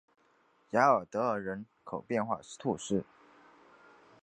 雅尔德尔人口变化图示